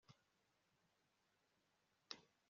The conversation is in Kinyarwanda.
mumodoka nsezera kubandi bana